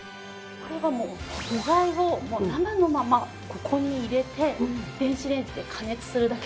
これはもう具材を生のままここに入れて電子レンジで加熱するだけでできるんです。